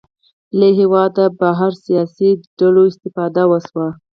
له هېواده بهر سیاسي ډلو استفاده وشوه